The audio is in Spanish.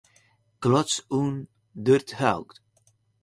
Klotzsch und Dr. Aug.